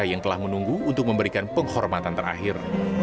yang telah menunggu untuk memberikan penghormatan terakhir